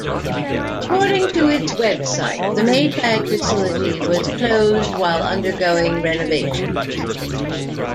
According to its website, the Maytag facility was closed while undergoing renovations.